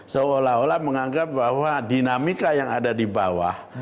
seolah olah menganggap bahwa dinamika yang ada di bawah